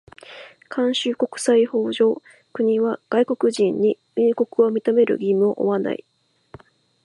慣習国際法上、国は外国人に入国を認める義務を負わない。